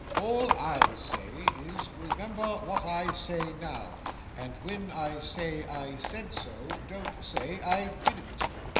All I say is, remember what I say now, and when I say I said so, don't say I didn't.